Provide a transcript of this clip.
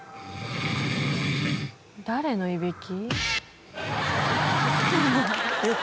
誰のいびき？